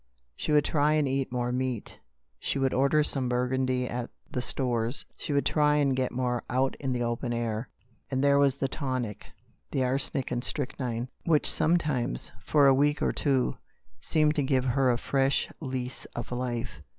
She would try and eat more meat ; she would order some Burgundy at the stores ; she would try and get more out in the open air; and there was the tonic — the arsenic and strychnine— which sometimes, for a week or two, seemed to give her a fresh lease of life.